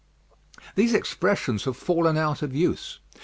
These expressions have fallen out of use.